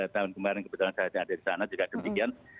tahun kemarin kebetulan saya yang ada di sana juga demikian